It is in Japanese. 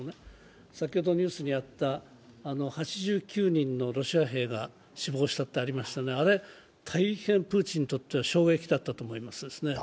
先ほどニュースにあった８９人のロシア兵が死亡したとありましたが、大変プーチンにとっては衝撃だったと思います。